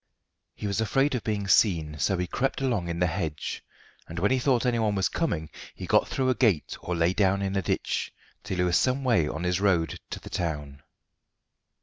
He was afraid of being seen, so he crept along in the hedge, and when he thought anyone was coming he got through a gate or lay down in a ditch, till he was some way on his road to the town.